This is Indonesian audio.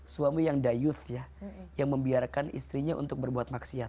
suami yang dayut ya yang membiarkan istrinya untuk berbuat maksiat